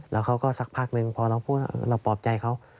แล้วเขาก็สักพักนึงพอเราพบใจเขา